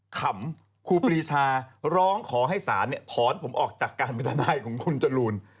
ขำครูปรีชาร้องขอให้ศาลถอนผมออกจากการไปได้ของคุณจรูน